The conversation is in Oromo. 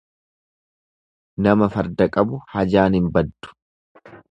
Nama farda qabu hajaan hin baddu.